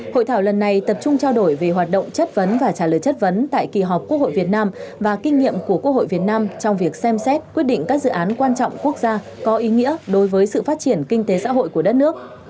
hội thảo lần này tập trung trao đổi về hoạt động chất vấn và trả lời chất vấn tại kỳ họp quốc hội việt nam và kinh nghiệm của quốc hội việt nam trong việc xem xét quyết định các dự án quan trọng quốc gia có ý nghĩa đối với sự phát triển kinh tế xã hội của đất nước